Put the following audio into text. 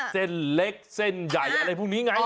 เส้นเล็กเส้นใหญ่อะไรพวกนี้ไง